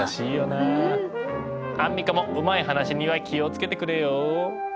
アンミカもうまい話には気を付けてくれよ。